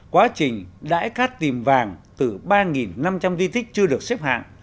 quá trình đãi cát tìm vàng từ ba năm trăm linh di tích chưa được xếp hạng